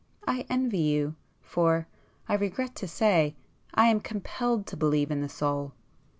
I envy you! For—I regret to say, I am compelled to believe in the soul."